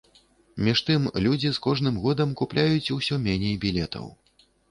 Між тым, людзі з кожным годам купляюць усё меней білетаў.